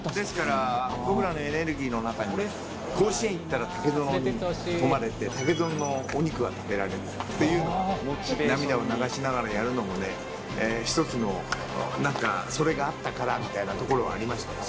ですから、僕らのエネルギーの中に、甲子園行ったら竹園に泊まれて、竹園のお肉が食べられるって、涙を流しながらやるのもね、１つのなんか、それがあったからみたいなところはありましたよね。